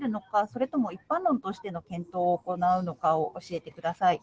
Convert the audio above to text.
それとも一般論としての検討を行うのかを教えてください。